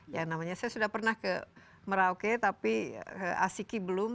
ya namanya saya sudah pernah ke merauke tapi asiki belum